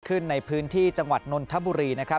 ขึ้นในพื้นที่จังหวัดนนทบุรีนะครับ